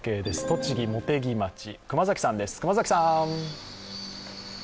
栃木・茂木町、熊崎さんです。